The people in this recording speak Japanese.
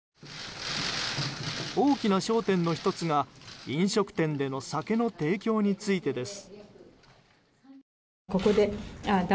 大きな焦点の１つが飲食店での酒の提供についてです。